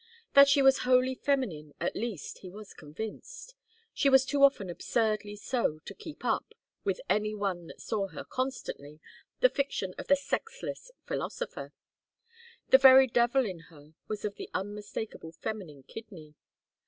That she was wholly feminine, at least, he was convinced; she was too often absurdly so to keep up, with any one that saw her constantly, the fiction of the sexless philosopher. The very devil in her was of the unmistakable feminine kidney.